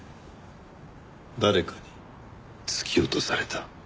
誰かに突き落とされた。